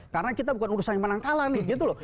karena kita bukan urusannya menang kalah nih gitu loh